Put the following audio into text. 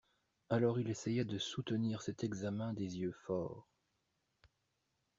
Alors il essaya de soutenir cet examen des yeux forts.